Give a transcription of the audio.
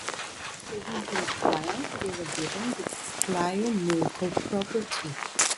In appreciation for the triumph, they were given the Tlajomulco property.